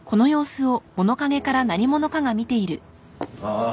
ああ。